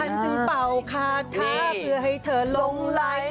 ฉันจึงเป่าคาถาเพื่อให้เธอลงไหล